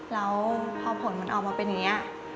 แล้วพอผลมันออกมาเป็นอย่างนี้